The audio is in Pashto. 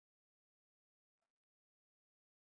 دستکشې يې په لاسو کړي وې، داسې یې ښکاریده.